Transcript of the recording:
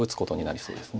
そうですね。